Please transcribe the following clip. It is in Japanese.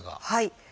はい。